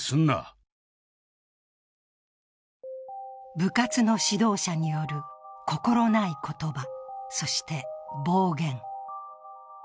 部活の指導者による心ない言葉、そして暴言。